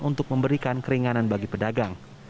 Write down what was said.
untuk memberikan keringanan bagi pedagang